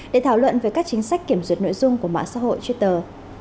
để thảo luận về các chính sách kiểm duyệt nội dung của mạng xã hội twitter